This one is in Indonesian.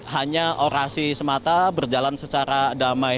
hanya orasi semata berjalan secara damai